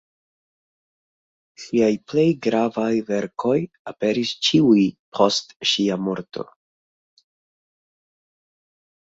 Ŝiaj plej gravaj verkoj aperis ĉiuj post ŝia morto.